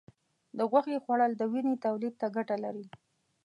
د غوښې خوړل د وینې تولید ته ګټه لري.